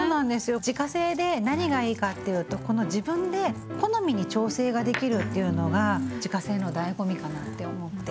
自家製で何がいいかっていうとこの自分で好みに調整ができるっていうのが自家製のだいご味かなって思って。